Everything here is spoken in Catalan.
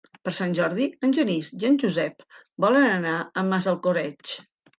Per Sant Jordi en Genís i en Josep volen anar a Massalcoreig.